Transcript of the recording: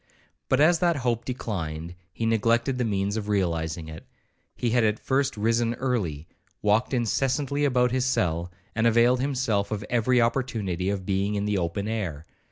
But as that hope declined, he neglected the means of realizing it. He had at first risen early, walked incessantly about his cell, and availed himself of every opportunity of being in the open air.